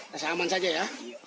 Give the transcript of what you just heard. rasa aman saja ya